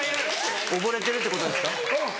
溺れてるってことですか？